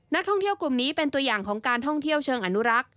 นักท่องเที่ยวกลุ่มนี้เป็นตัวอย่างของการท่องเที่ยวเชิงอนุรักษ์